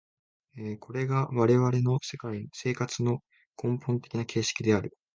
これが我々の生活の根本的な形式である。